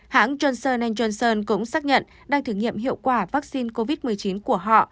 hãng johnson johnson cũng xác nhận đang thử nghiệm hiệu quả vaccine covid một mươi chín của họ